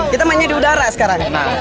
kita mainnya di udara sekarang